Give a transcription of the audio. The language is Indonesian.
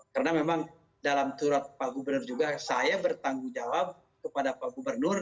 karena memang dalam turut pak gubernur juga saya bertanggung jawab kepada pak gubernur